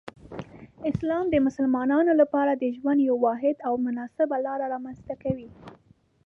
اسلام د مسلمانانو لپاره د ژوند یو واحد او مناسب لار رامنځته کوي.